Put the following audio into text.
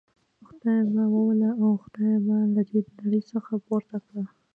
خدایه ما ووله او خدایه ما له دي نړۍ څخه پورته کړي.